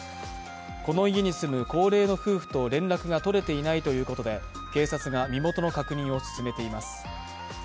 この家に住む高齢の夫婦と連絡が取れていないということで、警察が身元の確認を進めています。